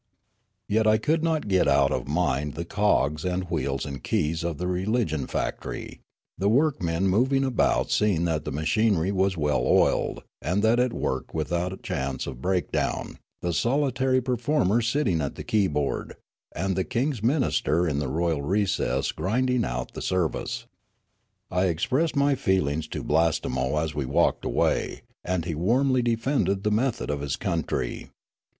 Yet I could not get out of mind the cogs and wheels and keys of the religion factory, the workmen moving about seeing that the machinery was well oiled and that it worked without chance of breakdown, the solitary performer sitting at the keyboard, and the king's minister in the royal recess grinding out the service. I expressed my feelings to Blastemo as we walked away, and he warmly defended the method of his country.